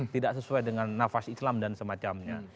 tidak sesuai dengan nafas islam dan semacamnya